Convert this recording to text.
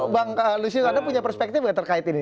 bang luiz sido anda punya perspektif yang terkait ini